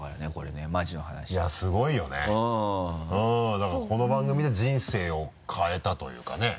だからこの番組で人生を変えたというかね。